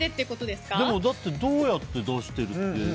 でも、どうやって出してるって。